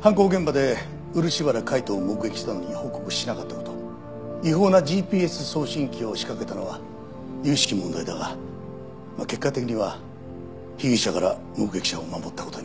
犯行現場で漆原海斗を目撃したのに報告しなかった事違法なＧＰＳ送信器を仕掛けたのは由々しき問題だが結果的には被疑者から目撃者を守った事になる。